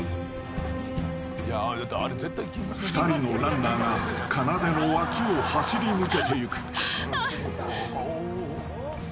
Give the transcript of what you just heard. ［２人のランナーがかなでの脇を走りぬけていく］